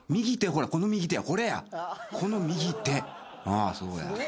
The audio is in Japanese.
あそうや。